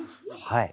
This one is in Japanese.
はい。